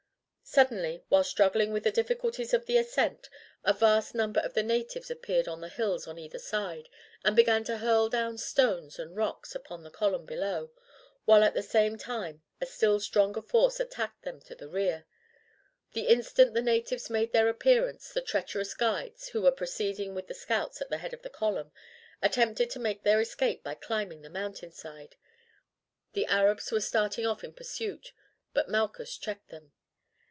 Suddenly while struggling with the difficulties of the ascent, a vast number of the natives appeared on the hills on either side, and began to hurl down stones and rocks upon the column below, while at the same time a still stronger force attacked them in the rear. The instant the natives made their appearance the treacherous guides, who were proceeding with the scouts at the head of the column, attempted to make their escape by climbing the mountain side. The Arabs were starting off in pursuit, but Malchus checked them.